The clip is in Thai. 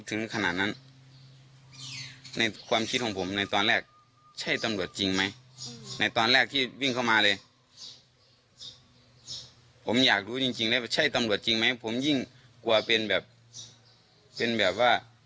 เดี๋ยวไปฟังเสียงคุณแชมป์เล่าหน่อยนะคะ